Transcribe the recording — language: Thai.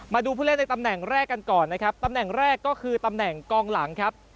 ผู้เล่นในตำแหน่งแรกกันก่อนนะครับตำแหน่งแรกก็คือตำแหน่งกองหลังครับ